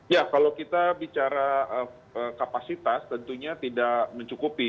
ya kalau kita bicara kapasitas tentunya tidak mencukupi